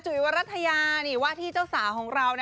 จุ๋ยว่ารัฐยานี่ว่าที่เจ้าสาของเรานะ